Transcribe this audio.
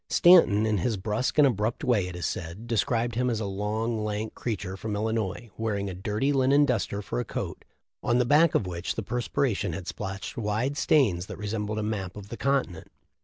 Stanton, in his brusque and abrupt way, it is said, described him as a 'long, lank creature from Illinois, wearing a dirty linen duster for a coat, on the back of which the perspiration had splotched wide stains that resembled a map of the continent.